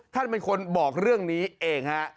ท่านเป็นคนบอกเรื่องนี้เองฮะ